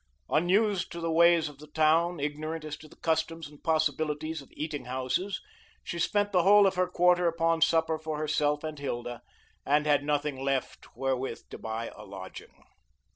Unused to the ways of the town, ignorant as to the customs and possibilities of eating houses, she spent the whole of her quarter upon supper for herself and Hilda, and had nothing left wherewith to buy a lodging.